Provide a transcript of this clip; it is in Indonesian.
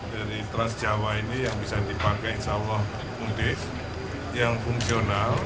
dari trans jawa ini yang bisa dipakai insya allah mudik yang fungsional